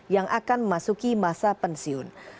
yang akan memasuki masa pensiun